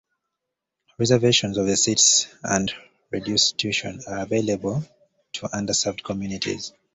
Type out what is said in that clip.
Reservations of seats and reduced tuition are available to underserved communities.